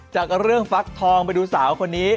จากเรื่องฟักทองไปดูสาวคนนี้